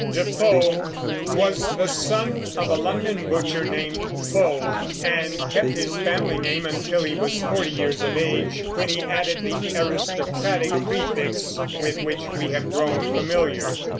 Defoe was the son of a London butcher named Foe, and kept his family name until he was forty years of age, when he added the aristocratic prefix with which we have grown familiar.